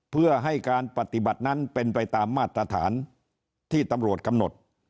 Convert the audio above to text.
เพื่อให้การปฏิบัตินั้นเป็นไปตามมาตรฐานที่ตำรวจกำหนด